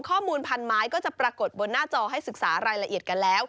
ข้อมูลพันไม้ก็จะปรากฏบนหน้าจอให้ศึกษารายละเอียดกันแล้ว